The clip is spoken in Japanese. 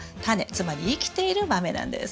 つまり生きている豆なんです。